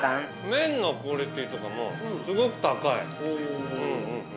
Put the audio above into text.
◆麺のクオリティーとかも、すごく高い。